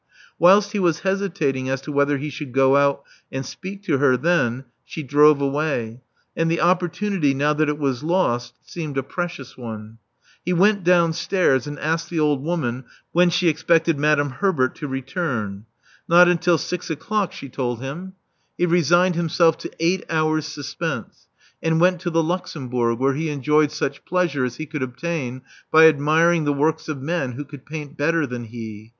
Whilst he was hesitating as to whether he should go out and speak to her then, she drove away; and the opportunity, now that it was lost, seemed a precious one. He went downstairs, and asked the old woman when she expected Madame Herbert to return. Not until six o'clock, she told 374 Love Among the Artists him. He resigned himself to eight hours' suspense, and went to the Luxembourg, where he enjoyed such pleasure as he could obtain by admiring the works of men who could paint better than he.